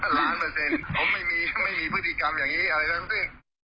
ล้านเปอร์เซ็นต์ผมไม่มีไม่มีพฤติกรรมอย่างนี้อะไรทั้งสิ้น